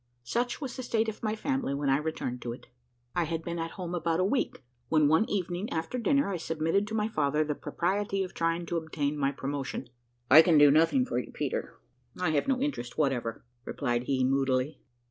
Such was the state of my family when I returned to it. I had been at home about a week, when one evening, after dinner, I submitted to my father the propriety of trying to obtain my promotion. "I can do nothing for you, Peter; I have no interest whatever," replied he moodily.